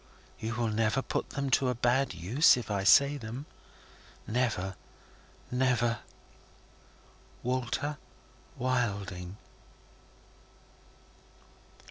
"You will never put them to a bad use, if I say them?" "Never! Never!" "Walter Wilding."